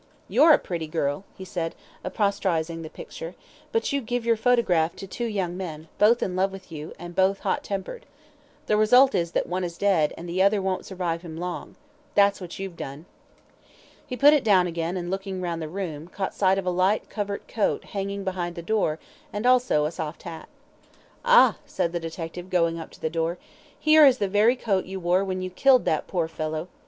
"You're a pretty girl," he said, apostrophising the picture, "but you give your photograph to two young men, both in love with you, and both hot tempered. The result is that one is dead, and the other won't survive him long. That's what you've done." He put it down again, and looking round the room, caught sight of a light covert coat hanging behind the door and also a soft hat. "Ah," said the detective, going up to the door, "here is the very coat you wore when you killed that poor fellow.